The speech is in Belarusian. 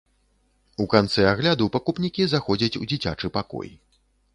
У канцы агляду пакупнікі заходзяць у дзіцячы пакой.